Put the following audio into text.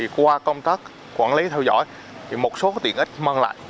qua công tác quản lý theo dõi một số tiện ích mang lại